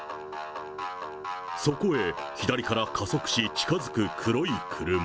そこへ、左から加速し、近づく黒い車。